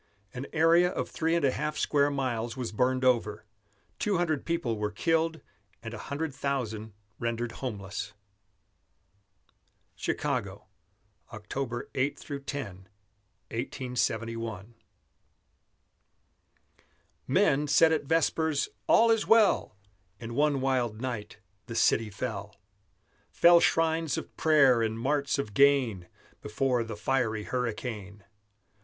An area of three and a half square miles was burned over; two hundred people were killed and a hundred thousand rendered homeless. CHICAGO [October 8 10, 1871] Men said at vespers: "All is well!" In one wild night the city fell; Fell shrines of prayer and marts of gain Before the fiery hurricane.